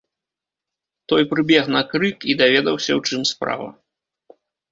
Той прыбег на крык і даведаўся, у чым справа.